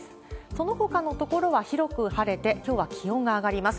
そのほかの所は広く晴れて、きょうは気温が上がります。